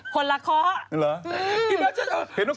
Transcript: คุณไปขออะไรบ้าง